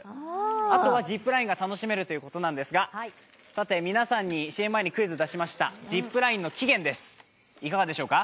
あとはジップラインが楽しめるということなんですが、皆さんにＣＭ前にクイズ出しました、ジップラインの起源です、いかがでしょうか。